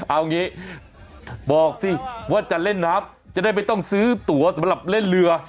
เอางี้บอกสิว่าจะเล่นน้ำจะได้ไม่ต้องซื้อตัวสำหรับเล่นเรือ